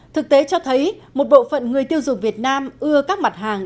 thực tế cho thấy một bộ phận người tiêu dùng việt nam ưa các mặt hàng